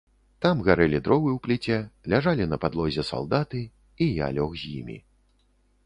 Там гарэлі дровы ў пліце, ляжалі на падлозе салдаты, і я лёг з імі.